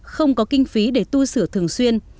không có kinh phí để tu sửa thường xuyên